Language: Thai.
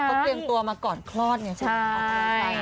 เขาเปลี่ยนตัวมาก่อนคลอดเนี่ยใช่ป่ะ